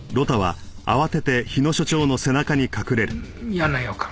嫌な予感。